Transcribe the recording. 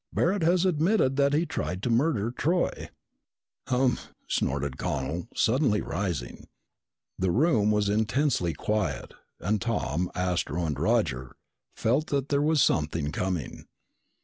Barret has admitted that he tried to murder Troy." "Humph!" snorted Connel, suddenly rising. The room was intensely quiet and Tom, Astro, and Roger felt that there was something coming.